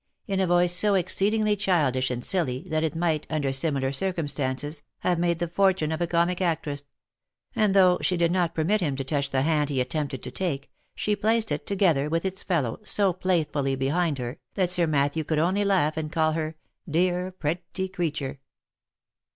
in a voice so exceedingly childish and silly, that it might, under similar circumstances, have made the fortune of a comic actress ; and though she did not permit him to touch the hand he attempted to take, she placed it, together with its fellow, so playfully behind her, that Sir Matthew could only laugh and call her, " dear pretty creature!"